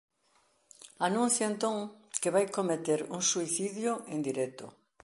Anuncia entón que vai cometer suicidio en directo.